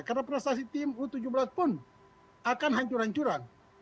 karena prestasi tim u tujuh belas pun akan hancur hancuran